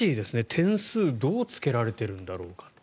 点数どうつけられてるんだろうかって。